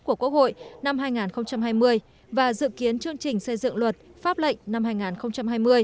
của quốc hội năm hai nghìn hai mươi và dự kiến chương trình xây dựng luật pháp lệnh năm hai nghìn hai mươi